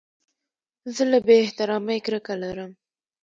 زه له بې احترامۍ کرکه لرم.